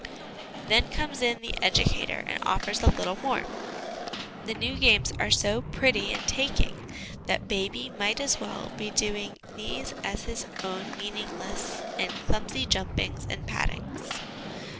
Then comes in the educator and offers a little more. The new games are so pretty and taking that baby might as well be doing these as his own meaningless and clumsy j umpings and pattings.